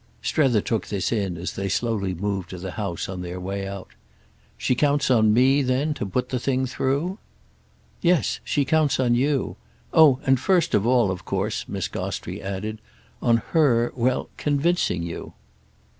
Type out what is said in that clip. Strether took this in as they slowly moved to the house on their way out. "She counts on me then to put the thing through?" "Yes—she counts on you. Oh and first of all of course," Miss Gostrey added, "on her—well, convincing you."